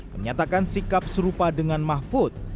menyatakan sikap serupa dengan mahfud